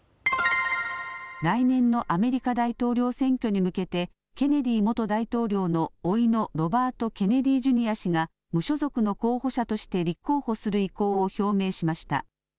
来年のアメリカ大統領選挙に向けてケネディ元大統領のおいのロバート・ケネディ・ジュニア氏が無所属の候補者として立候補する意向を表明しました。